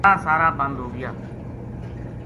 راہ سارا بند ہو گیا